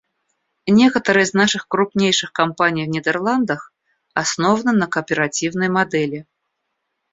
Некоторые из наших крупнейших компаний в Нидерландах основаны на кооперативной модели.